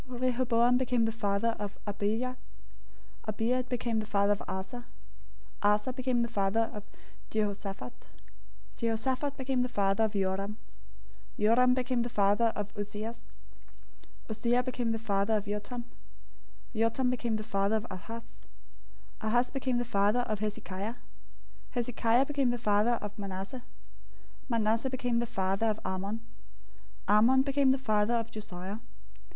Rehoboam became the father of Abijah. Abijah became the father of Asa. 001:008 Asa became the father of Jehoshaphat. Jehoshaphat became the father of Joram. Joram became the father of Uzziah. 001:009 Uzziah became the father of Jotham. Jotham became the father of Ahaz. Ahaz became the father of Hezekiah. 001:010 Hezekiah became the father of Manasseh. Manasseh became the father of Amon. Amon became the father of Josiah.